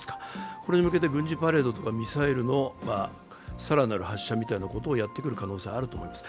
これに向けて軍事パレードとかミサイルの更なる発射みたいなことをやってくる可能性があるわけです。